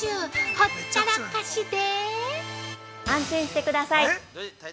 ほったらかしで◆